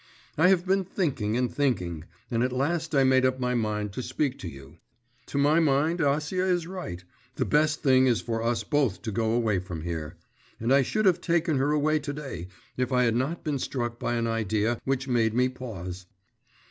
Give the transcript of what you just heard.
I have been thinking and thinking, and at last I made up my mind to speak to you. To my mind, Acia is right; the best thing is for us both to go away from here. And I should have taken her away to day, if I had not been struck by an idea which made me pause.